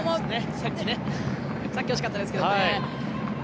さっき惜しかったですけどね。